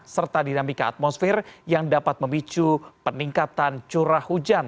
serta dinamika atmosfer yang dapat memicu peningkatan curah hujan